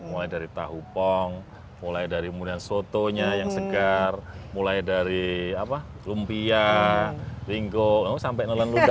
mulai dari tahu pong mulai dari mulian sotonya yang segar mulai dari lumpia linggo sampai nolan luka